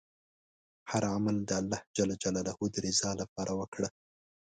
هر عمل د الله ﷻ د رضا لپاره وکړه.